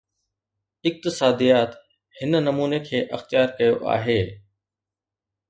اقتصاديات هن نموني کي اختيار ڪيو آهي.